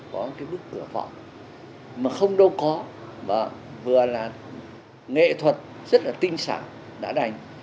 có bức cửa võng mà không đâu có vừa là nghệ thuật rất tinh sản đã đành